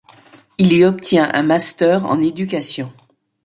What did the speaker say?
Il y obtient un master en éducation.